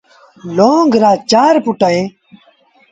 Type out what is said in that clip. لونگ رآ چآر پُٽ اهيݩ۔